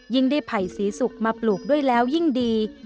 ยิ่งได้ไผ่สีสุกมาปลูกด้วยแล้วยิ่งดี